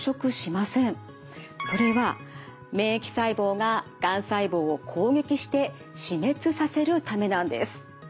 それは免疫細胞ががん細胞を攻撃して死滅させるためなんです。